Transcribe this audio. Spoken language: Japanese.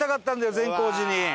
善光寺に。